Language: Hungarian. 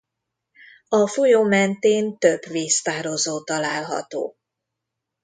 A folyó mentén több víztározó található.